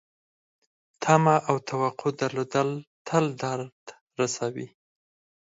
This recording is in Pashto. تمه او توقع درلودل تل درد رسوي .